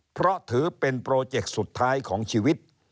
เพราะถือเป็นโปรเจกต์สุดท้ายของชีวิต